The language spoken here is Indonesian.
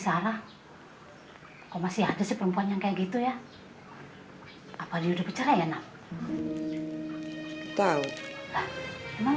sarah kok masih ada si perempuan yang kayak gitu ya apalagi udah bercerai ya naf tau emang